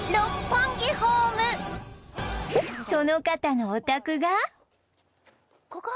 その方のお宅が